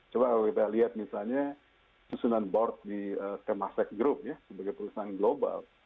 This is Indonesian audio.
coba kalau kita lihat misalnya susunan board di kemasek group ya sebagai perusahaan global